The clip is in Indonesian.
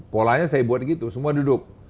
polanya saya buat gitu semua duduk